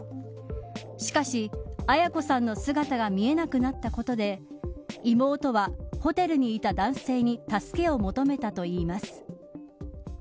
しかし、絢子さんの姿が見えなくなったことで妹は、ホテルにいた男性に助けを求めたといいます。